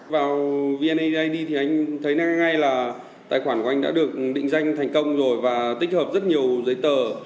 vào vneid thì anh thấy ngay là tài khoản của anh đã được định danh thành công rồi và tích hợp rất nhiều giấy tờ